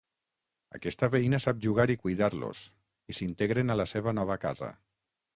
Aquesta veïna sap jugar i cuidar-los i s'integren a la seva nova casa.